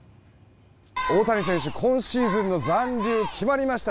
大谷選手、今シーズンの残留決まりました。